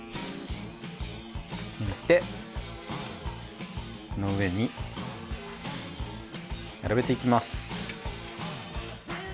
引いてこの上に並べていきます。